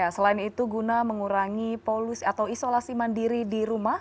selain itu guna mengurangi polusi atau isolasi mandiri di rumah